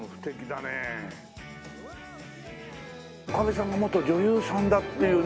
女将さんが元女優さんだっていうね。